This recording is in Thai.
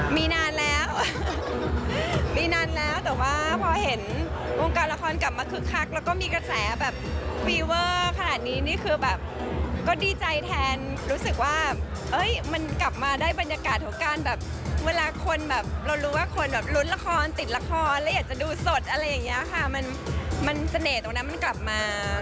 มีนานแล้วมีนานแล้วแต่ว่าพอเห็นวงการละครกลับมาคึกคักแล้วก็มีกระแสแบบฟีเวอร์ขนาดนี้นี่คือแบบก็ดีใจแทนรู้สึกว่ามันกลับมาได้บรรยากาศของการแบบเวลาคนแบบเรารู้ว่าคนแบบลุ้นละครติดละครแล้วอยากจะดูสดอะไรอย่างนี้ค่ะมันเสน่ห์ตรงนั้นมันกลับมา